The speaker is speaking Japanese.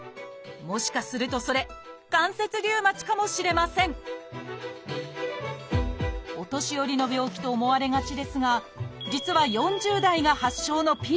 もしかするとそれ「関節リウマチ」かもしれませんお年寄りの病気と思われがちですが実は４０代が発症のピーク。